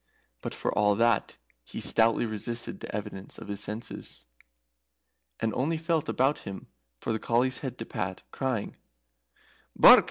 But, for all that, he stoutly resisted the evidence of his senses, and only felt about him for the collie's head to pat, crying: "Bark!